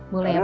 boleh ya pak